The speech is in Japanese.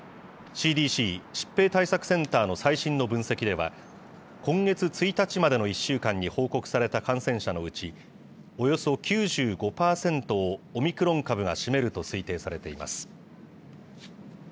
ＣＤＣ・疾病対策センターの最新の分析では、今月１日までの１週間に報告された感染者のうち、およそ９５％をオミクロン株が占めると推定されています。